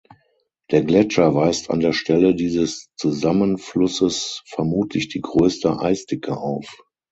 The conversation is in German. Der Gletscher weist an der Stelle dieses Zusammenflusses vermutlich die größte Eisdicke auf.